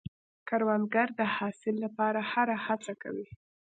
کروندګر د حاصل لپاره هره هڅه کوي